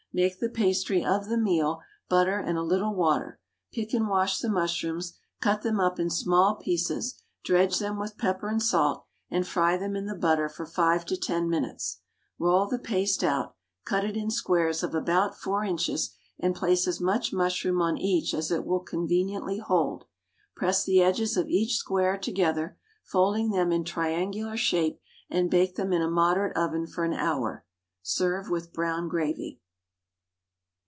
Make the pastry of the meal, butter, and a little water; pick and wash the mushrooms, cut them up in small pieces dredge them with pepper and salt, and fry them in the butter for 5 to 10 minutes. Roll the paste out, cut it in squares of about 4 inches, and place as much mushroom on each as it will conveniently hold. Press the edges of each square together, folding them in triangular shape, and bake them in a moderate oven for an hour. Serve with brown gravy.